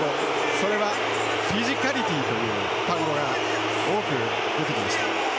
それは、フィジカリティーという単語が多く出てきました。